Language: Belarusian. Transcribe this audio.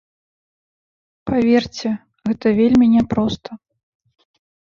Паверце, гэта вельмі няпроста.